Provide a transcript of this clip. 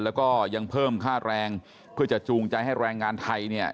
แล้วก็ยังเพิ่มค่าแรงเพื่อจะจูงใจให้แรงงานไทยเนี่ย